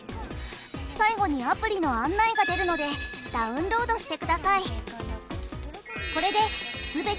最後にアプリの案内が出るのでダウンロードしてください。